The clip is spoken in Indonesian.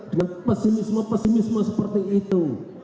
dengan pesimisme pesimisme seperti itu